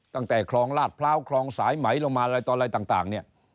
ตั้งแต่คลองลาดพร้าวคลองสายไหมลงมาอะไรต่ออะไรต่างเนี่ย